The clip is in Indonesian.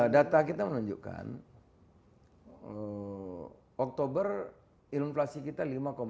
data kita menunjukkan oktober ilumplasi kita lima tujuh puluh dua